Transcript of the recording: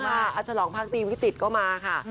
อาจลองภาคตีวิจิตรก็มาค่ะ